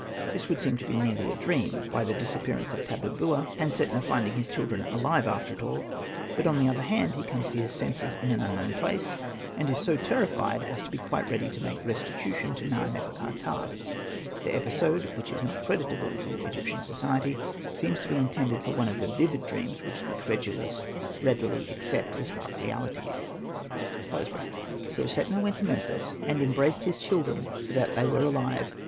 This would seem to be merely a dream, by the dis appearance of Tabubua, and by Setna findino 9 Hosted by Google 114 SETNA AND THE MAGIC BOOK his children ahve after it all ; but on the other hand he comes to his senses in an unknown place, and is so terrified as to be quite ready to make restitution to Na.nefer. ka.ptah. The episode, which is not credit able to Egyptian society, seems to be in tended for one of the vivid dreams which the credulous readily accept as half realities.] So Setna went to Memphis, and embraced his children for that they were alive.